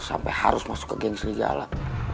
sampai harus masuk ke geng serigala